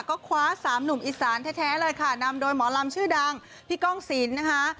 ก็คว้าสามหนุ่มอีสานแท้เลยค่ะนำโดยหมอลำชื่อดังพี่ก้องศิลป์นะคะ